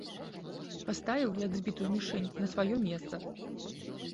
Паставіў, як збітую мішэнь, на сваё месца.